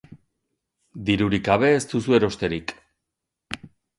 Dirurik gabe ez duzu erosterik.